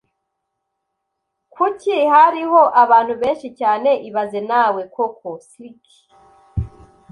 Kuki hariho abantu benshi cyane ibaze nawe koko(slqqqq)